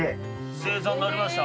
正座になりました。